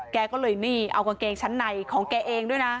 แกก็เลยนี่เอากางเกงชั้นในของแกเองด้วยนะ